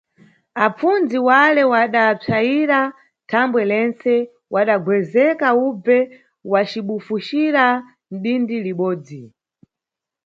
Apfundzi wale wadapsayira thambwe lentse, wadagwezeka ubve wacibufucira nʼdindi libodzi.